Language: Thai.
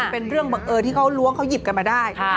เป็นเรื่องบังเอิญที่เขาล้วงเขาหยิบกันมาได้